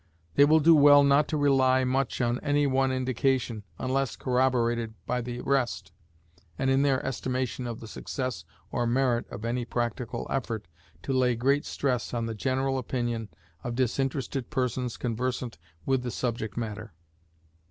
They will do well not to rely much on any one indication, unless corroborated by the rest, and, in their estimation of the success or merit of any practical effort, to lay great stress on the general opinion of disinterested persons conversant with the subject matter.